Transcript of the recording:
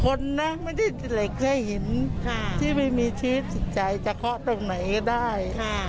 คนนะไม่ได้เห็นที่ไม่มีชีวิตใจจะเคาะตรงไหนก็ได้